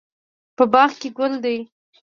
په باغ کې ګل ده